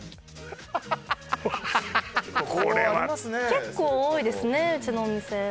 結構多いですねうちのお店。